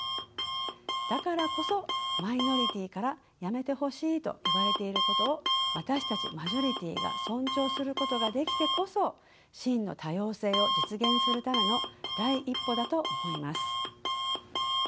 だからこそマイノリティーからやめてほしいと言われていることを私たちマジョリティーが尊重することができてこそ真の多様性を実現するための第一歩だと思います。